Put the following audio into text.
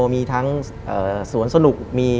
มีทั้งสวนสนุก